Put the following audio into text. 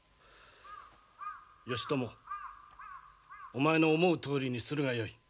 義朝お前の思うとおりにするがよい。